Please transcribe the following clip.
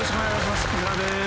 木村です。